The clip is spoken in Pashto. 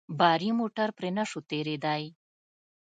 باري موټر پرې نه سو تېرېداى.